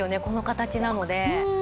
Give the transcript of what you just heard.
この形なので。